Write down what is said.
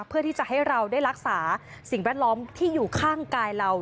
เพื่อที่จะให้เราได้รักษาสิ่งแวดล้อมที่อยู่ข้างกายเรา